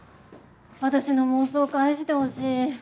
私の妄想返してほしい！